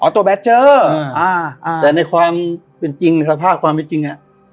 อ๋อตัวแบตเจอร์อ่าอ่าแต่ในความเป็นจริงสภาพความไม่จริงอ่ะ